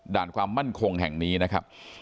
ความมั่นคงแห่งนี้นะครับ